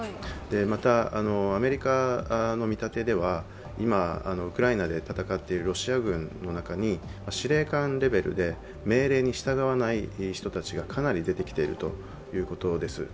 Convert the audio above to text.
また、アメリカの見立てでは今、ウクライナで戦っているロシア軍の中に司令官レベルで命令に従わない人たちがかなり出てきているということです。